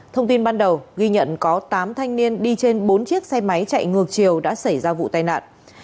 thông tin ban đầu ghi nhận có tám thanh niên đi trên bốn chiếc xe máy chạy ngược chiều đã xảy ra vụ tai nạn